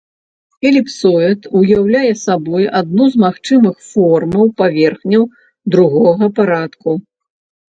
Эліпсоід ўяўляе сабой адну з магчымых формаў паверхняў другога парадку.